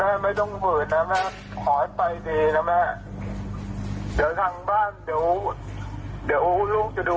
เอ่อที่ลูกเคยโรงเกินหรืออะไรไปขอขอโทษศิษย์กรรมให้ด้วย